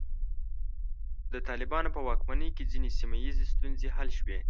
د طالبانو په واکمنۍ کې ځینې سیمه ییزې ستونزې حل شوې.